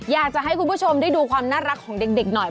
อยากจะให้คุณผู้ชมได้ดูความน่ารักของเด็กหน่อย